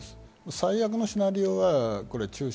最悪のシナリオは中止。